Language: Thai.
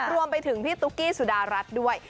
รวมไปถึงพี่ตุ๊กกี้สุดารัฐด้วย